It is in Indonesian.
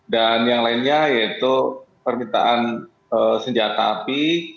yang lainnya yaitu permintaan senjata api